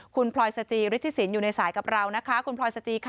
คุณพลอยสจิฤทธิสินอยู่ในสายกับเรานะคะคุณพลอยสจีค่ะ